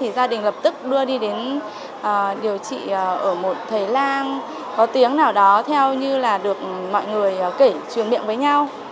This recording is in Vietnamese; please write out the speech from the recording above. thì gia đình lập tức đưa đi đến điều trị ở một thầy lang có tiếng nào đó theo như là được mọi người kể chuyện miệng với nhau